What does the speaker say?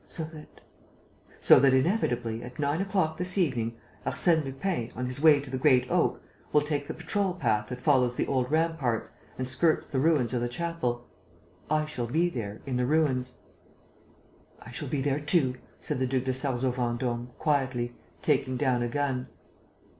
"So that ...?" "So that inevitably, at nine o'clock this evening, Arsène Lupin, on his way to the Great Oak, will take the patrol path that follows the old ramparts and skirts the ruins of the chapel. I shall be there, in the ruins." "I shall be there too," said the Duc de Sarzeau Vendôme, quietly, taking down a gun.